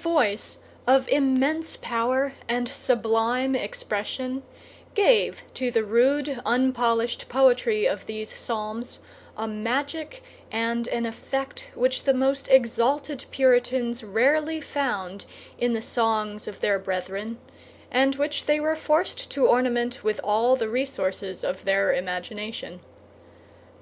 Her voice, of immense power and sublime expression, gave to the rude, unpolished poetry of these psalms a magic and an effect which the most exalted Puritans rarely found in the songs of their brethren, and which they were forced to ornament with all the resources of their imagination.